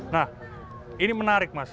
nah ini menarik mas